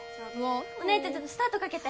お姉ちゃんちょっとスタートかけて。